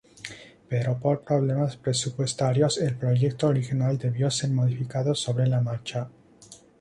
Pero por problemas presupuestarios, el proyecto original debió ser modificado sobre la marcha.